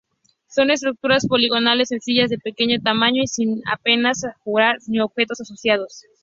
Son estructuras poligonales sencillas de pequeño tamaño y sin apenas ajuar ni objetos asociados.